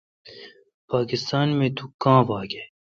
پاکستان می تو کاں باگ اؘ۔